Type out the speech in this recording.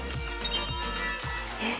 えっ！